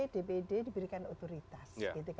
dpd diberikan otoritas